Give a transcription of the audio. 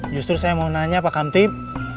justru saya mau nanya pak kamtip